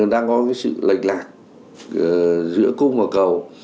đang có cái sự lệch lạc giữa cung và cầu